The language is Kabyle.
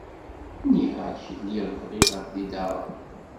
Nniɣ-ak lliɣ bɣiɣ ad t-id-aɣeɣ.